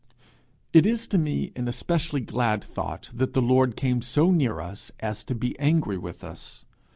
It is to me an especially glad thought that the Lord came so near us as to be angry with us.